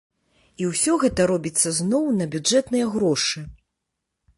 І ўсё гэта робіцца зноў на бюджэтныя грошы.